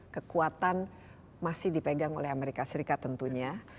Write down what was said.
kekuatan masih dipegang oleh amerika serikat tentunya